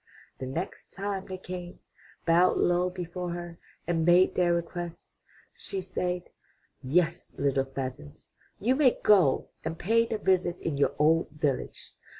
The next time they came, bowed low before her, and made their request, she said: *'Yes, little pheasants, you may go and pay the visit in your old village.